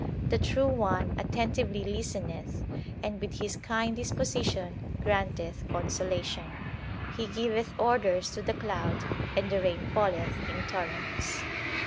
The True One attentively listeneth and with His kind disposition grant eth consolation. He giveth orders to the Cloud and the rain falleth in torrents.